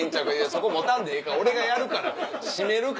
そこ持たんでええから俺がやるから閉めるから。